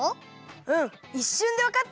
うんいっしゅんでわかったよ。